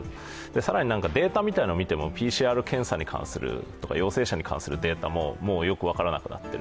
更に、データを見てもＰＣＲ検査に関するとか陽性者に関するデータもよく分からなくなっている。